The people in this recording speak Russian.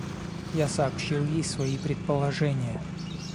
Я сообщил ей свои предположения.